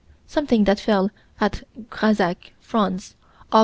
Something that fell at Grazac, France, Aug.